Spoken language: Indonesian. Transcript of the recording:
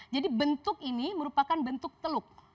jadi bentuk ini merupakan bentuk teluk